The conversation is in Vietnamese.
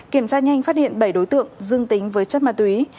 kiểm tra nhanh phát hiện bảy đối tượng dương tính với chất ma túy